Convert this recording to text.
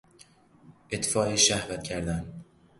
اطفای شهوت کردن